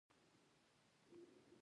دا د قدرت او شتمنۍ د انحصار لامل کیږي.